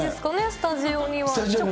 スタジオには。